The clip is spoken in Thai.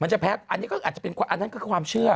จะแพ้อันนี้ก็อาจจะเป็นอันนั้นคือความเชื่อ